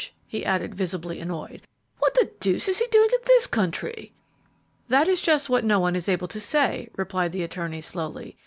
he added, visibly annoyed. "What the deuce is he doing in this country?" "That is just what no one is able to say," replied the attorney, slowly.